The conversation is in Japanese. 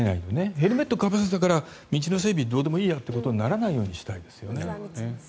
ヘルメットをかぶせたから道の整備どうでもいいやとならないようにしたいですよね。